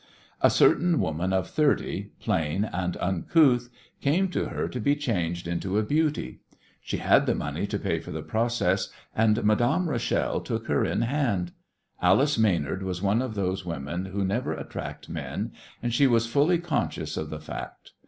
A certain woman of thirty, plain and uncouth, came to her to be changed into a beauty. She had the money to pay for the process, and Madame Rachel took her in hand. Alice Maynard was one of those women who never attract men, and she was fully conscious of the fact.